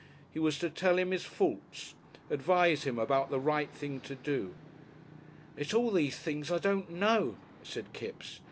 He was to tell him his faults, advise him about the right thing to do "It's all these things I don't know," said Kipps.